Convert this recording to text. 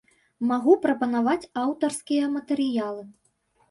Магу прапанаваць аўтарскія матэрыялы.